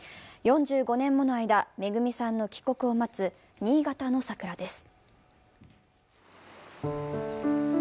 ４５年もの間、めぐみさんの帰国を待つ新潟の桜です。